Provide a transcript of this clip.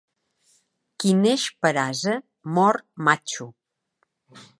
Qui neix per ase mor matxo.